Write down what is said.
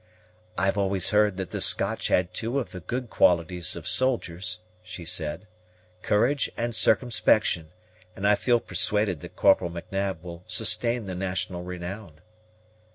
"I've always heard that the Scotch had two of the good qualities of soldiers," she said, "courage and circumspection; and I feel persuaded that Corporal M'Nab will sustain the national renown."